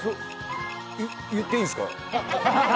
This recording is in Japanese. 言っていいんですか？